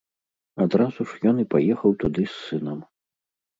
Адразу ж ён і паехаў туды з сынам.